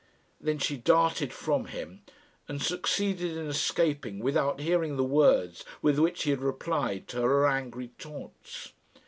Then she darted from him, and succeeded in escaping without hearing the words with which he replied to her angry taunts.